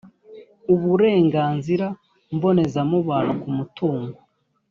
uburenganzira mbonezamubano ku mutungo